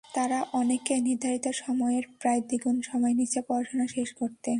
তারা অনেকেই নির্ধারিত সময়ের প্রায় দ্বিগুণ সময় নিচ্ছে পড়াশোনা শেষ করতে।